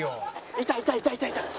いたいたいたいたいた。